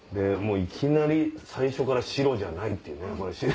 もういきなり最初から白じゃないっていうね。